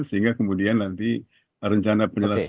sehingga kemudian nanti rencana penyelesaian